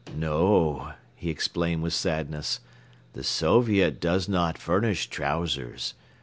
"No," he explained with sadness, "the Soviet does not furnish trousers.